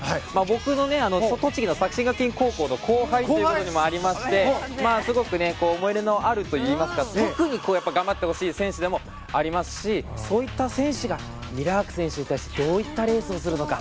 僕の作新学院高校の後輩というところもありましてすごく思い入れのあるといいますか特に頑張ってほしい選手でもありますしそういった選手がミラーク選手に対してどういったレースをするのか。